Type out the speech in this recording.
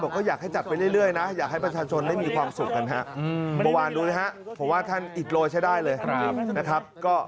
เขาเปิดให้เป็นพืชที่สาธารณะนะครับ